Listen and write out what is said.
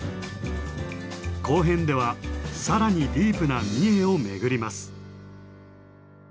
後編では更にディープな三重を巡ります。